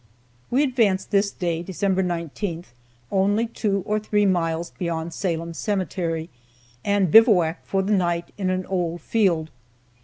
We advanced this day (December 19) only two or three miles beyond Salem Cemetery, and bivouacked for the night in an old field.